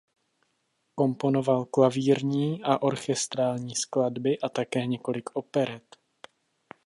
Komponoval klavírní a orchestrální skladby a také několik operet.